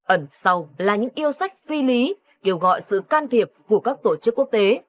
ẩn sau là những yêu sách phi lý kêu gọi sự can thiệp của các tổ chức quốc tế